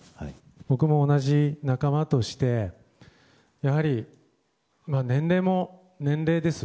僕も同じ仲間としてやはり年齢も年齢です。